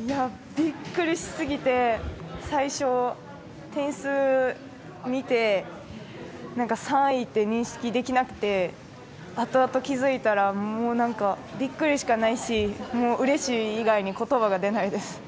ビックリしすぎて最初、点数を見て３位って認識できなくてあとあと気づいたらもうビックリしかないしうれしい以外に言葉が出ないです。